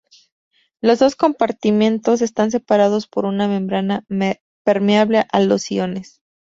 Los dos compartimentos están separados por una membrana permeable a los iones.